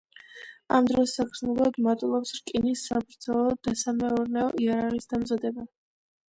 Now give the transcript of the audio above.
ამ დროს საგრძნობლად მატულობს რკინის საბრძოლო და სამეურნეო იარაღის დამზადება.